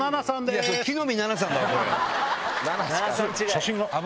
写真が。